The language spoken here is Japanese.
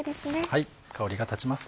はい香りが立ちます。